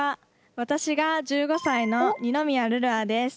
私が１５歳の二宮琉々愛です。